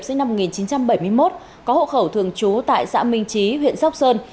sinh năm một nghìn chín trăm bảy mươi một có hộ khẩu thường trú tại xã minh trí huyện sóc sơn